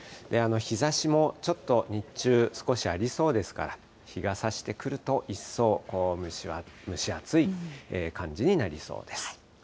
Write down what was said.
日ざしもちょっと日中、少しありそうですから、日がさしてくると一層、蒸し暑い感じになりそうです。